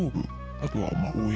あとは。